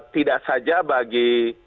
tidak saja bagi